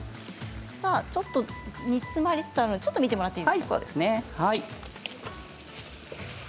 ちょっと煮詰まりつつありますので、見てもらっていいですね。